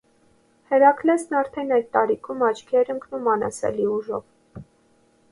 Հերակլեսն արդեն այդ տարիքում աչքի էր ընկնում անասելի ուժով։